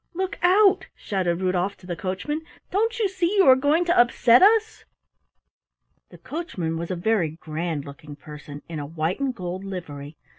"Look out!" shouted Rudolf to the coachman. "Don't you see you are going to upset us?" The coachman was a very grand looking person in a white and gold livery.